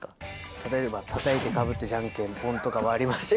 例えば、たたいてかぶってじゃんけんぽんとかはありますし。